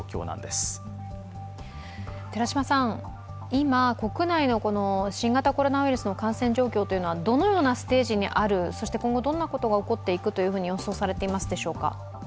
今、国内の新型コロナウイルスの感染状況というのはどのようなステージにある、そして今後、どのようなことが起こっていくと予想されていますでしょうか？